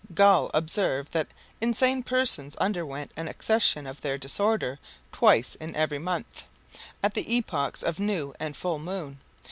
Gall observed that insane persons underwent an accession of their disorder twice in every month, at the epochs of new and full moon.